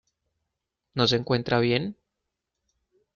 ¿ no se encuentra bien?